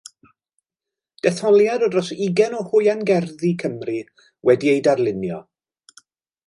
Detholiad o dros ugain o hwiangerddi Cymru, wedi eu darlunio.